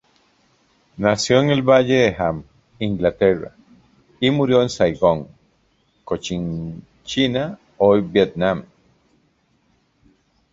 Nació en el valle de Ham, Inglaterra y murió en Saigón, Cochinchina, hoy Vietnam.